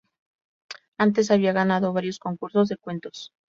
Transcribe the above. Antes había ganado varios concursos de cuentos.